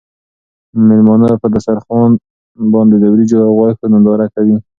مېلمانه په دسترخوان باندې د وریجو او غوښو ننداره کوي.